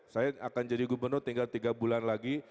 saya akan jadi gubernur tinggal tiga bulan lagi